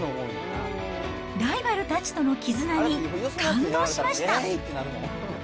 ライバルたちとの絆に感動しました。